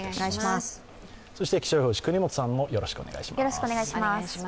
そして気象予報士・國本さん、よろしくお願いします。